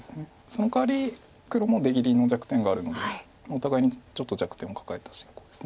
そのかわり黒も出切りの弱点があるのでお互いにちょっと弱点を抱えた進行です。